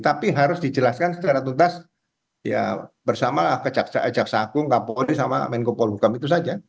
tapi harus dijelaskan secara tuntas bersamalah ke caksakung kapolri dan menko polukam itu saja